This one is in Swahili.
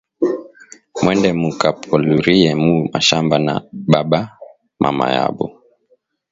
Mwende mu ka paluriye mu mashamba na ba mama yabo